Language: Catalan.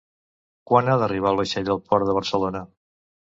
Quan ha d'arribar el vaixell al Port de Barcelona?